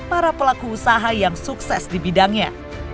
para pelaku usaha yang sukses di bidangnya